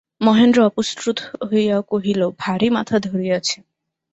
মহেন্দ্র অপ্রস্তুত হইয়া কহিল, ভারি মাথা ধরিয়াছে।